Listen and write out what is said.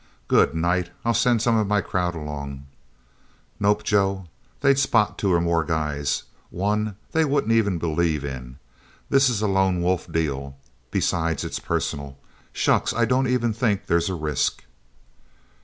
"Good night...! I'll send some of my crowd along." "Nope, Joe. They'd spot two or more guys. One, they won't even believe in. This is a lone wolf deal. Besides, it's personal... Shucks I don't even think there's a risk..."